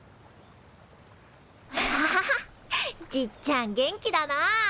ハハハハじっちゃん元気だな。